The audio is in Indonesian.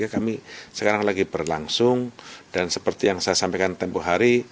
kami sekarang lagi berlangsung dan seperti yang saya sampaikan tempoh hari